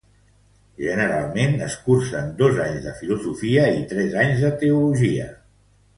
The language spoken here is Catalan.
Generalment es cursen dos anys de Filosofia i tres anys de Teologia.